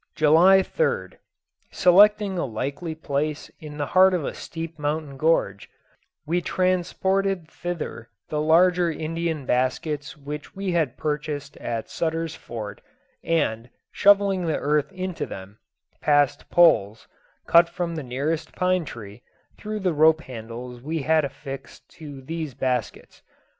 July 3rd. Selecting a likely place in the heart of a steep mountain gorge, we transported thither the larger Indian baskets which we had purchased at Sutter's Fort, and, shovelling the earth into them, passed poles, cut from the nearest pine tree, through the rope handles we had affixed to these baskets.